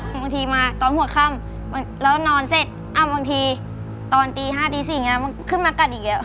บางทีมาตอนหัวข้ำแล้วนอนเสร็จบางทีตอนตี๕๔ขึ้นมากัดอีกแล้ว